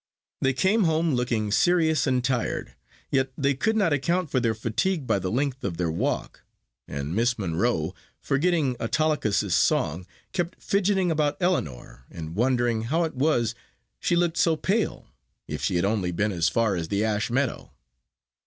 They came home, looking serious and tired: yet they could not account for their fatigue by the length of their walk, and Miss Monro, forgetting Autolycus's song, kept fidgeting about Ellinor, and wondering how it was she looked so pale, if she had only been as far as the Ash Meadow.